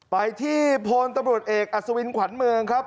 ไปที่พลตำรวจเอกอัศวินขวัญเมืองครับ